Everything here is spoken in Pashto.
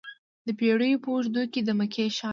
د پیړیو په اوږدو کې د مکې ښار.